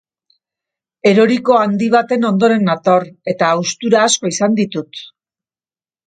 Eroriko handi baten ondoren nator, eta haustura asko izan ditut.